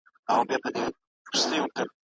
په بس کې خپل ځای بل ته ورکول اخلاق دي.